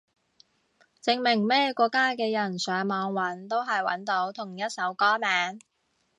證明咩國家嘅人上網搵都係搵到同一首歌名